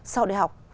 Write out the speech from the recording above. sau đại học